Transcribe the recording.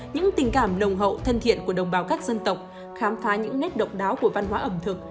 những tình cảm nồng hậu thân thiện của đồng bào các dân tộc khám phá những nét độc đáo của văn hóa ẩm thực